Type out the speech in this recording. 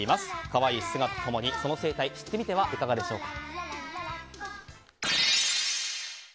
可愛い姿と共にその生態知ってみてはいかがでしょうか。